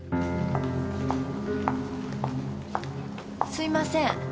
すいません。